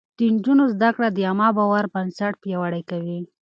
د نجونو زده کړه د عامه باور بنسټ پياوړی کوي.